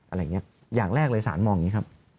อะไรอย่างนี้อย่างแรกเลยสารมองอย่างนี้ครับ